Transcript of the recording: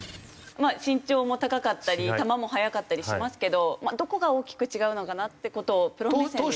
まあ身長も高かったり球も速かったりしますけどどこが大きく違うのかなって事をプロ目線で。